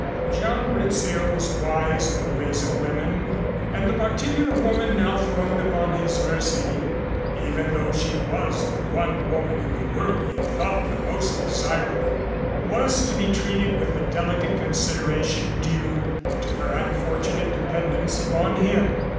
John Rizzio was wise in the ways of women and the particular woman now thrown upon his mercy, even though she was the one woman in the world he had thought the most desirable, was to be treated with the delicate consideration due to her unfortunate dependence upon him.